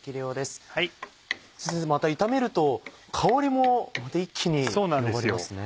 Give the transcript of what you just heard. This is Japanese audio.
先生また炒めると香りも一気に広がりますね。